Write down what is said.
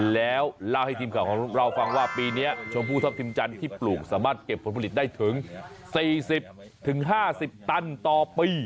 แล้วเล่าให้ทีมข่าวของเราฟังว่าปีนี้ชมพู่ทัพทิมจันทร์ที่ปลูกสามารถเก็บผลผลิตได้ถึง๔๐๕๐ตันต่อปี